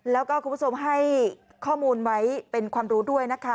แล้วก็คุณผู้ชมให้ข้อมูลไว้เป็นความรู้ด้วยนะคะ